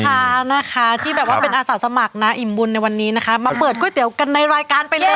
ตอนนี้พี่อำนวยขาดไฟที่เป็นอาศัตริย์สมัครน้าอิมบุญในวันนี้มาเปิดก๋วยเตี๋ยวกันในรายการไปเลย